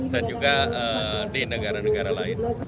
dan juga di negara negara lain